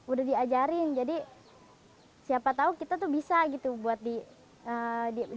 udah diajarin jadi siapa tahu kita tuh bisa gitu buat diajarkan makanan makanan makanan makanan makanan